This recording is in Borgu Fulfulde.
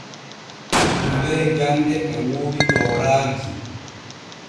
Dullere jande e woodi tooraaji.